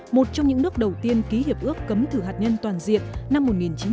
một trong những nước đầu tiên ký hiệp ước cấm thử hạt nhân toàn diện năm một nghìn chín trăm tám mươi